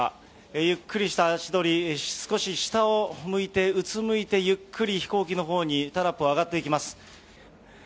ゆっくりした足取り、少し下を向いて、うつむいて、ゆっくり飛行機のほうへ、タラップを上がっていきます。